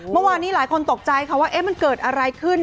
เมื่อวานนี้หลายคนตกใจค่ะว่ามันเกิดอะไรขึ้น